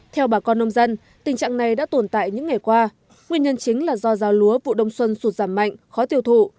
theo bà con nông dân tình trạng này đã tồn tại những ngày qua nguyên nhân chính là do rào lúa vụ đông xuân sụt giảm mạnh khó tiêu thụ